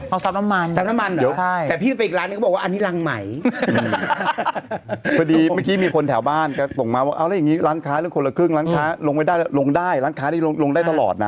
ลงได้ร้านค้านี้ลงได้ตลอดนะยังลงไปได้ตลอด